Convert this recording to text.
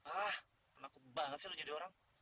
ah penakut banget sih lo jadi orang